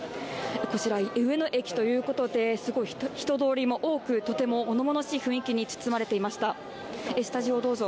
こちら、上野駅ということで、人通りも多く、とてもものものしい雰囲気に包まれていました。